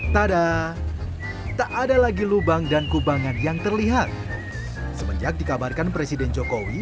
tada tak ada lagi lubang dan kubangan yang terlihat semenjak dikabarkan presiden jokowi